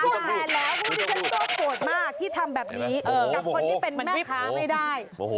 กูต้องโกหตมากที่ทำแบบนี้กับคนที่เป็นแม่คะไม่ได้